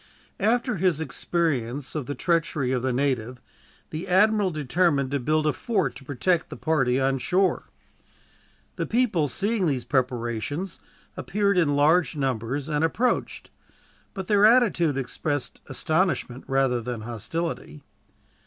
After his experience of the treachery of the native, the admiral determined to build a fort to protect the party on shore. The people, seeing these preparations, appeared in large numbers and approached, but their attitude expressed astonishment rather than hostility.